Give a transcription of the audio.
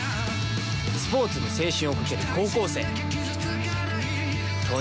スポーツに青春をかける高校生。